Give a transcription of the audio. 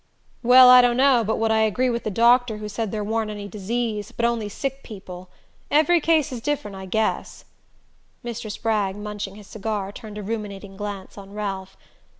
"Well, I dunno but what I agree with the doctor who said there warn't any diseases, but only sick people. Every case is different, I guess." Mr. Spragg, munching his cigar, turned a ruminating glance on Ralph.